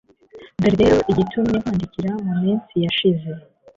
dore rero igitumye nkwandikira mu minsi yashize